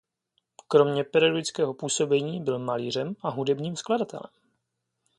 Kromě pedagogického působení byl malířem a hudebním skladatelem.